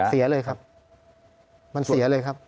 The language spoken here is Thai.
เสียเลยครับมันเสียเลยครับ